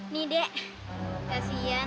nih dek kasian